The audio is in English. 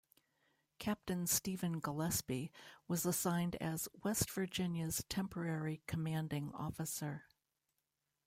Captain Stephen Gillespie was assigned as "West Virginia"s temporary commanding officer.